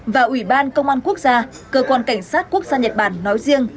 và ủy ban công an quốc gia cơ quan cảnh sát quốc gia nhật bản nói riêng